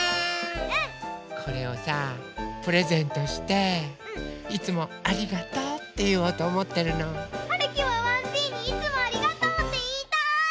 これをさプレゼントして「いつもありがとう」っていおうとおもってるの。はるきもわんじいに「いつもありがとう」っていいたい！